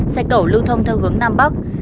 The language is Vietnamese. xe cẩu lưu thông theo hướng nam bắc